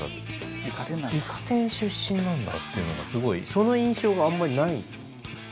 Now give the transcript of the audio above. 「イカ天」出身なんだっていうのがすごいその印象があんまりない。